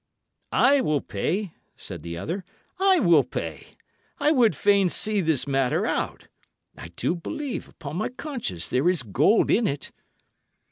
"I will pay," said the other "I will pay. I would fain see this matter out; I do believe, upon my conscience, there is gold in it."